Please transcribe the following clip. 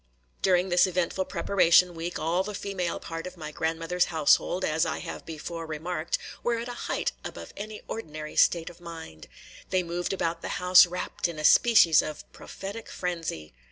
During this eventful preparation week, all the female part of my grandmother's household, as I have before remarked, were at a height above any ordinary state of mind, – they moved about the house rapt in a species of prophetic frenzy.